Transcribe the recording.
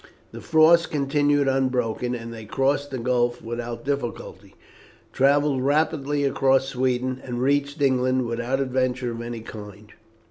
The frost continued unbroken, and they crossed the gulf without difficulty, travelled rapidly across Sweden, and reached England without adventure of any kind.